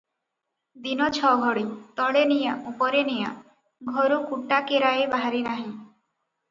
ଦିନ ଛ ଘଡ଼ି, ତଳେ ନିଆଁ, ଉପରେ ନିଆଁ, ଘରୁ କୁଟାକେରାଏ ବାହାରି ନାହିଁ ।